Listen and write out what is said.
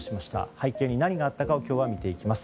背景に何があったかを今日は見ていきます。